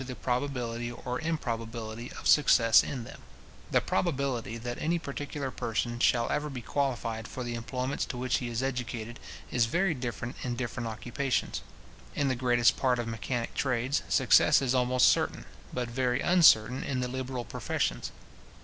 The probability that any particular person shall ever be qualified for the employments to which he is educated, is very different in different occupations. In the greatest part of mechanic trades success is almost certain; but very uncertain in the liberal professions.